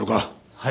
はい。